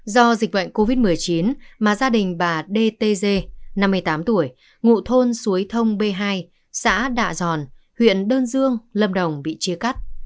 do dịch bệnh covid một mươi chín mà gia đình bà đê tê dê năm mươi tám tuổi ngụ thôn xuối thông b hai xã đạ giòn huyện đơn dương lâm đồng bị chia cắt